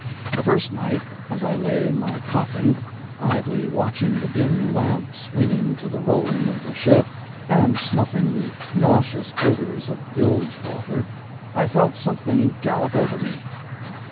The first night, as I lay in my coffin, idly watching the dim lamp swinging to the rolling of the ship, and snuffing the nauseous odors of bilge water, I felt something gallop over me.